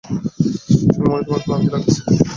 সোনামণি, তোমার ক্লান্তি লাগছে?